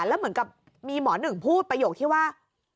แล้วเหมือนกับมีหมอหนึ่งพูดประโยคที่ว่า